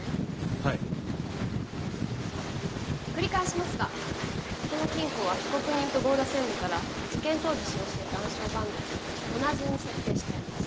はい繰り返しますがこの金庫は被告人と剛田専務から事件当時使用していた暗証番号を聞き同じに設定してあります・